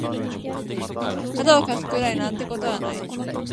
肩を貸すくらいなんてことはない